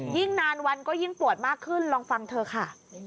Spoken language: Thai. ยิ่งนานวันก็ยิ่งปวดมากขึ้นลองฟังเธอค่ะ